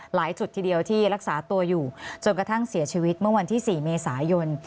หลายจุดทีเดียวที่รักษาตัวอยู่จนกระทั่งเสียชีวิตเมื่อวันที่๔เมษายน